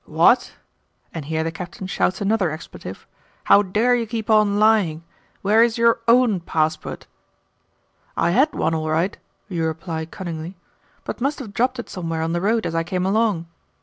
'What?' and here the Captain shouts another expletive 'How dare you keep on lying? Where is YOUR OWN passport?' 'I had one all right,' you reply cunningly, 'but must have dropped it somewhere on the road as I came along.